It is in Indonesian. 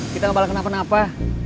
kita ngebalak kenapa napa